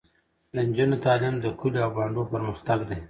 د نجونو تعلیم د کلیو او بانډو پرمختګ دی.